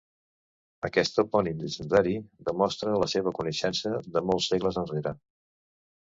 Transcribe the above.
Aquest topònim llegendari demostra la seva coneixença de molts segles enrere.